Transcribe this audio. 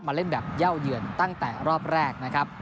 เล่นแบบเย่าเยือนตั้งแต่รอบแรกนะครับ